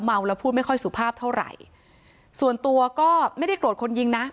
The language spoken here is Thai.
เมาแล้วพูดไม่ค่อยสุภาพเท่าไหร่ส่วนตัวก็ไม่ได้โกรธคนยิงนะ